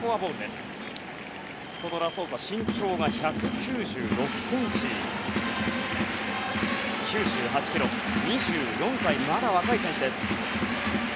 ラソーサは身長が１９６ｃｍで９８ｋｇ、２４歳とまだ若い選手です。